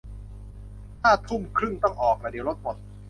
ห้าทุ่มครึ่งต้องออกละ เดี๋ยวรถหมด